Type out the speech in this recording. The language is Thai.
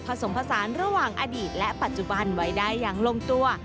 ผสมผสานระหว่างอดีตและปัจจุบันไว้ได้อย่างลงตัว